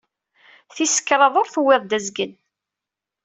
Tis kraḍt ur tuwiḍ d azgen.